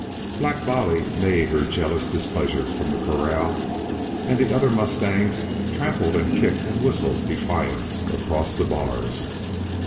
Black Bolly neighed her jealous displeasure from the corral, and the other mustangs trampled and kicked and whistled defiance across the bars.